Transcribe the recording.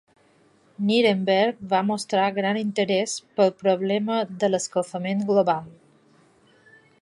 Nierenberg va mostrar gran interès pel problema de l'escalfament global.